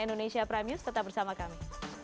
indonesia prime news tetap bersama kami